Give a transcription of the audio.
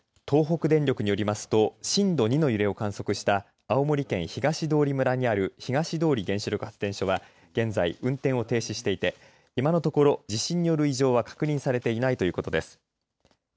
東北電力によりますと震度２の揺れを観測した青森県東通村にある東通原子力発電所は現在、運転を停止していて今のところ地震による異常は確認されていないということです。